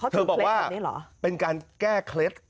เธอบอกว่าเป็นการแก้เคล็ด